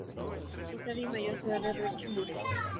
Su sede y mayor ciudad es Richmond.